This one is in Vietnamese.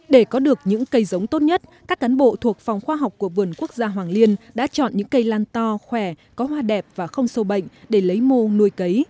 để có được những cây giống tốt nhất các cán bộ thuộc phòng khoa học của vườn quốc gia hoàng liên đã chọn những cây lan to khỏe có hoa đẹp và không sâu bệnh để lấy mô nuôi cấy